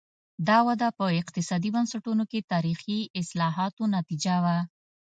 دا وده په اقتصادي بنسټونو کې تاریخي اصلاحاتو نتیجه وه.